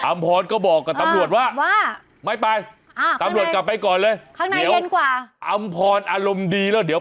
อำพรณ์ก็บอกตำรวจว่าทำล่วดกลับไปก่อนเลยให้อำพรณ์อารมณ์ดีแล้วเดี๋ยว